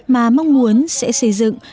mà mong muốn sẽ xây dựng